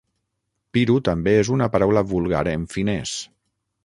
"Piru" també és una paraula vulgar en finès.